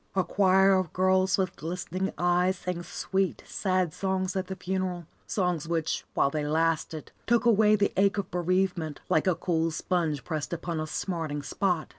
A choir of girls with glistening eyes sang sweet, sad songs at the funeral, songs which, while they lasted, took away the ache of bereavement, like a cool sponge pressed upon a smarting spot.